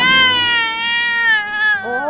sebentar ya sebentar